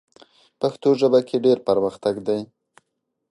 پښتو ژبه کې ډېر پرمختګ دی.